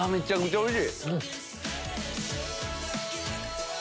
おいしい！